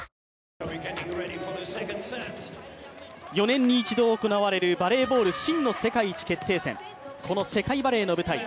４年に一度行われるバレーボール真の世界一決定戦この世界バレーの舞台。